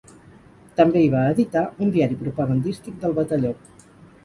També hi va editar un diari propagandístic del Batalló.